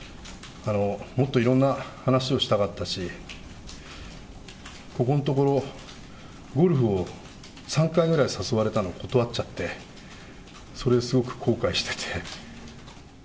もっといろんな話をしたかったし、ここのところ、ゴルフを３回ぐらい誘われたのに断っちゃって、それ、すごく後悔してて。